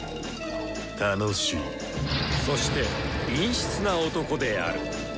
そして陰湿な男である。